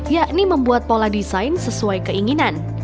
yakni membuat pola desain sesuai keinginan